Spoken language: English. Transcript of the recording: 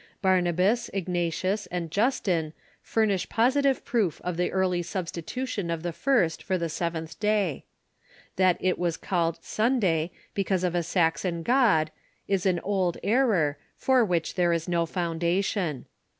Barnabas, Ignatius, and Justin furnish positive proof of the early substitution of the first for the seventh day. That it was called Sunday because of a Saxon god is an old error, for which there is no foundation.